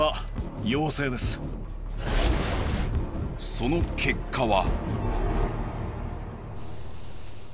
その結果は。